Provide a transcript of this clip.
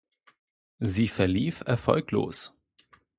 Sie verlief erfolglos.